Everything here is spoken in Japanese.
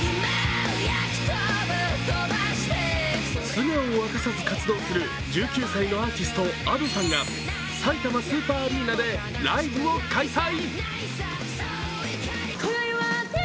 素顔を明かさず活動する１９歳のアーティストＡｄｏさんがさいたまスーパーアリーナでライブを開催。